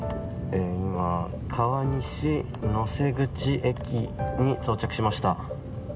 今、川西能勢口駅に到着しました。